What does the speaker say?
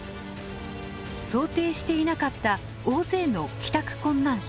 想定していなかった大勢の帰宅困難者。